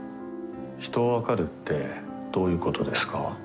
人を分かるってどういうことですか。